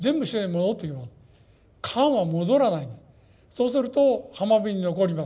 そうすると浜辺に残ります。